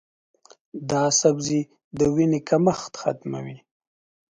دا سبزی د وینې کمښت ختموي.